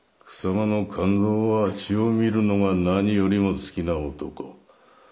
草間の勘蔵は血を見るのが何よりも好きな男。